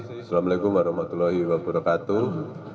assalamu'alaikum warahmatullahi wabarakatuh